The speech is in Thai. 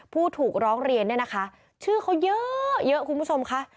ผู้ถูกร้องเรียนเนี่ยนะคะชื่อเขาเยอะเยอะคุณผู้ชมค่ะ